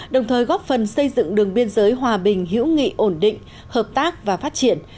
đồng thời góp phần xây dựng đường biên giới hòa bình hữu nghị ổn định hợp tác và phát triển